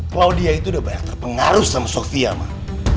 claudia itu udah banyak terpengaruh sama sofia mah